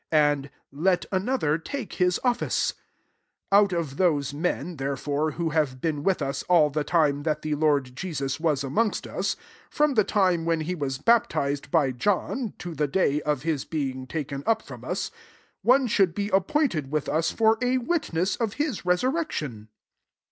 And, ' Let another take his of fice.' 21 Out of those men, therefore, who have been with us all the time that the Lord Jesus was amongst us,t 22 from the time when he was baptized by* John, to the day of his being taken up from us, one should be afifiointed with us for a wit ness of his resurrection."